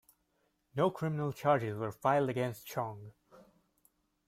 No criminal charges were filed against Chong.